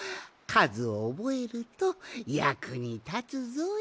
かずをおぼえるとやくにたつぞい。